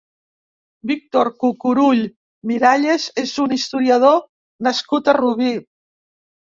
Víctor Cucurull Miralles és un historiador nascut a Rubí.